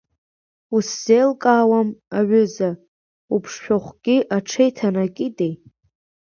Усзеилкаауам, аҩыза, уԥшшәахәгьы аҽеиҭанакитеи?